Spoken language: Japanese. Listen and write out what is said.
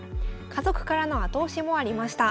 家族からの後押しもありました。